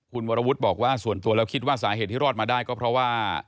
คุณวรวุฒิบอกว่าส่วนตัวแล้วคิดว่าสาเหตุที่รอดมาได้ก็เพราะว่า